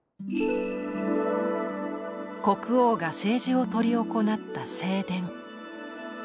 国王が政治を執り行った正殿。